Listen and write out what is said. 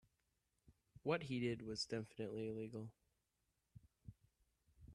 What he did was definitively illegal.